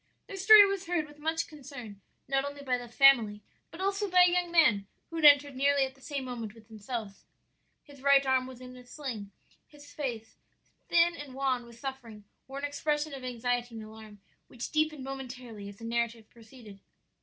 "Their story was heard with much concern, not only by the family, but also by a young man who had entered nearly at the same moment with themselves. "His right arm was in a sling; his face, thin and wan with suffering, wore an expression of anxiety and alarm which deepened momentarily as the narrative proceeded.